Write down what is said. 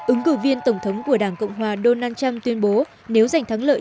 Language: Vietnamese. ứng cử viên tổng thống của đảng cộng hòa donald trump tuyên bố nếu giành thắng lợi